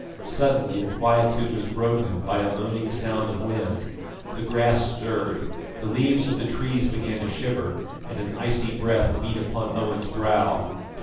Suddenly the quietude was broken by a moaning sound of wind; the grass stirred, the leaves of the trees began to shiver, and an icy breath beat upon Owen's brow.